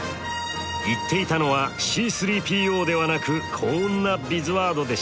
言っていたのはＣ−３ＰＯではなくこんなビズワードでした。